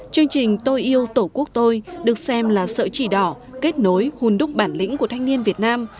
chương trình tôi yêu tổ quốc tôi được xem là sợi chỉ đỏ kết nối hùn đúc bản lĩnh của thanh niên việt nam